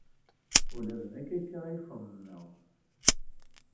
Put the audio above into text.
Ula d nekk akka ay xemmemeɣ.